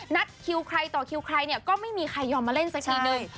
คิวใครต่อคิวใครเนี่ยก็ไม่มีใครยอมมาเล่นสักทีนึง